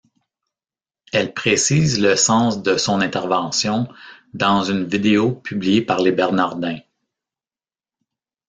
Elle précise le sens de son intervention dans une vidéo publiée par les Bernardins.